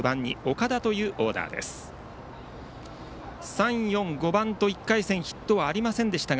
３、４、５番と１回戦ヒットはありませんでしたが